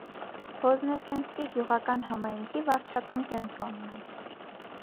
Վոզնեսենսկի գյուղական համայնքի վարչական կենտրոնն է։